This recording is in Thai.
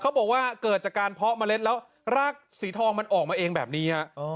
บอกว่าเกิดจากการเพาะเมล็ดแล้วรากสีทองมันออกมาเองแบบนี้ฮะ